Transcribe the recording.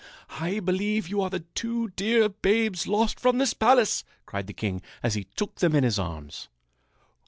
"I believe you are the two dear babes lost from this palace!" cried the king as he took them in his arms.